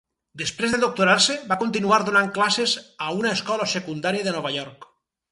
Després de doctorar-se, va continuar donant classes a una escola secundària de Nova York.